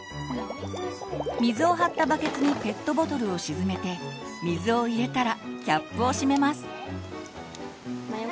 水を張ったバケツにペットボトルを沈めて水を入れたらキャップを閉めます。